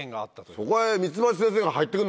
そこへ。